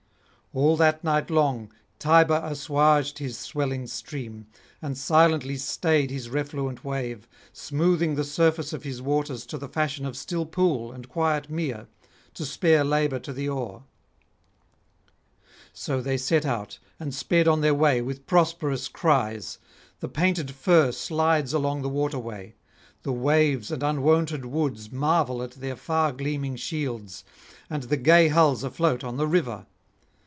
All that night long Tiber assuaged his swelling stream, and silently stayed his refluent wave, smoothing the surface of his waters to the fashion of still pool and quiet mere, to spare [90 121]labour to the oar. So they set out and speed on their way with prosperous cries; the painted fir slides along the waterway; the waves and unwonted woods marvel at their far gleaming shields, and the gay hulls afloat on the river.